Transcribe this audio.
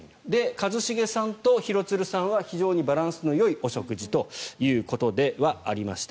一茂さんと廣津留さんは非常にバランスのよいお食事ということではありました。